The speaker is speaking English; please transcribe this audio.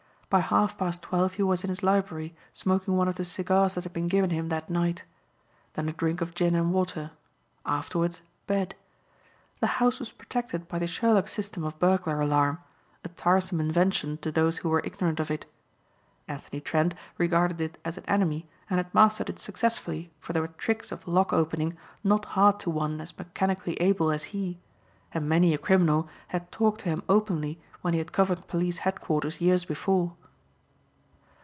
By half past twelve he was in his library smoking one of the cigars that had been given him that night. Then a drink of gin and water. Afterwards, bed. The house was protected by the Sherlock system of burglar alarm, a tiresome invention to those who were ignorant of it. Anthony Trent regarded it as an enemy and had mastered it successfully for there were tricks of lock opening not hard to one as mechanically able as he and many a criminal had talked to him openly when he had covered police headquarters years before.